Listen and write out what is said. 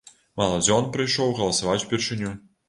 Маладзён прыйшоў галасаваць упершыню.